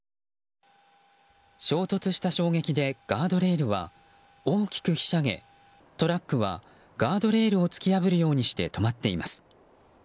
衝突した衝撃でガードレールは大きくひしゃげトラックはガードレールを突き破るようにして止まっています。